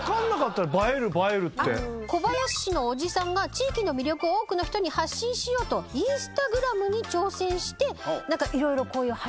小林市のおじさんが地域の魅力を多くの人に発信しようとＩｎｓｔａｇｒａｍに挑戦して色々こういう発信してるっていう。